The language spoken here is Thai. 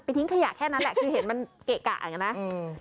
ทิ้งขยะแค่นั้นแหละคือเห็นมันเกะกะอย่างเงี้นะอืม